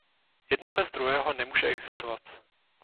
Jedno bez druhého nemůže existovat.